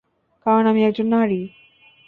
কারণ আমি একজন নারী!